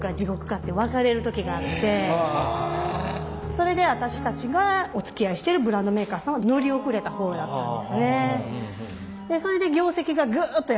それで私たちがおつきあいしてるブランドメーカーさんは乗り遅れた方やったんですね。